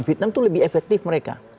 vietnam itu lebih efektif mereka